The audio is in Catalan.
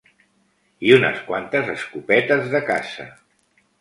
I unes quantes escopetes de caça